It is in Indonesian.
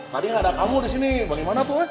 tadi gak ada kamu disini bagaimana tuh